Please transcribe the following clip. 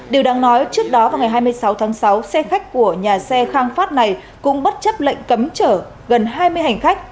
điều đáng nói trước đó vào ngày hai mươi sáu tháng sáu xe khách của nhà xe khang phát này cũng bất chấp lệnh cấm chở gần hai mươi hành khách